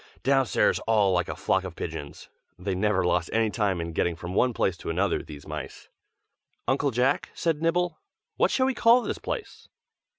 downstairs all like a flock of pigeons. They never lost any time in getting from one place to another, these mice. "Uncle Jack," said Nibble, "What shall we call this place?"